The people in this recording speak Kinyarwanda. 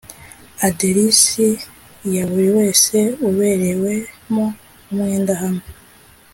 aderesi ya buri wese uberewemo umwenda hamwe